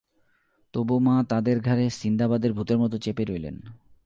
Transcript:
তবু মা তাঁদের ঘাড়ে সিন্দাবাদের ভূতের মতো চেপে রইলেন।